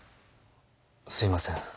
すいません。